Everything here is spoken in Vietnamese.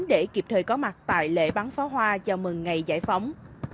để kịp thời có mặt tại lễ bán phá hoa chào mừng ngày giải phóng